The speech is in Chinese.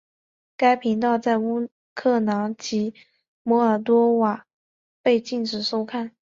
该频道在乌克兰及摩尔多瓦被禁止收看。